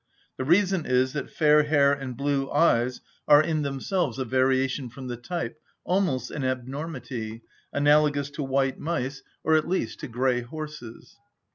The reason is, that fair hair and blue eyes are in themselves a variation from the type, almost an abnormity, analogous to white mice, or at least to grey horses.